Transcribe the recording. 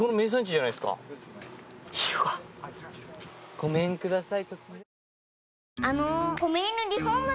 ごめんください。